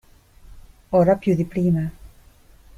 Ora più di prima.